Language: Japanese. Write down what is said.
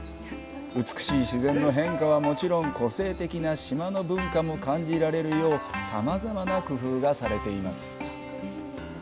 美しい自然の変化はもちろん個性的な島の文化も感じられるようさまざまな工夫がされています。